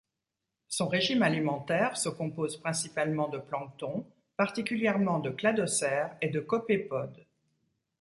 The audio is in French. Son régime alimentaire se compose principalement de plancton, particulièrement de cladocères et de copépodes.